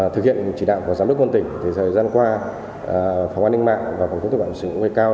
thực hiện chỉ đạo của giám đốc quân tỉnh thời gian qua phòng an ninh mạng và phòng thông tin bảo sĩ nguyên cao